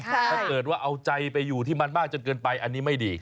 ถ้าเกิดว่าเอาใจไปอยู่ที่มันมากจนเกินไปอันนี้ไม่ดี